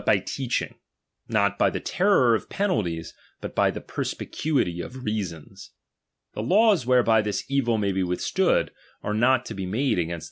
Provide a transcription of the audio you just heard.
XIII, by teaching ; not by the teiTor of penalties, bur T^^ the perspicuity of reasons. The laws whereby this •ubj™t, evil may be withstood, are not to be made against Mrj,ic!